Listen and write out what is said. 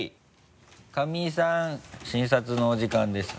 カミイさん診察のお時間です。